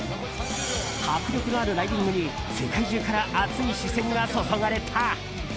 迫力のあるライディングに世界中から熱い視線が注がれた。